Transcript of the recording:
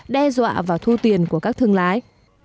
đe dọa vào thu tiền của các thương lái